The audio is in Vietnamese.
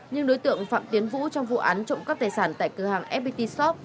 nhưng đối tượng phạm tiến vũ trong vụ án trộm cắp tài sản tại cửa hàng fpt shop